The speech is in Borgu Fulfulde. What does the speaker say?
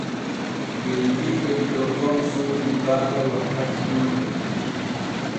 Beldiiɓe ɗiɗo gom soodii baala wakkati julɗe.